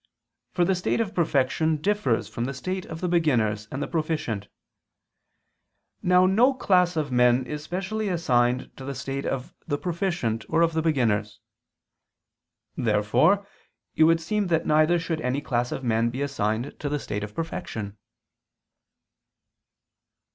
For the state of perfection differs from the state of the beginners and the proficient. Now no class of men is specially assigned to the state of the proficient or of the beginners. Therefore it would seem that neither should any class of men be assigned to the state of perfection.